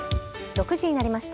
６時になりました。